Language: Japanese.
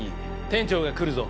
店長が来るぞ。